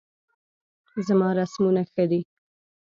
زما رسمونه ښه دي